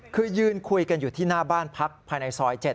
คือยืนคุยกันอยู่ที่หน้าบ้านพักภายในซอย๗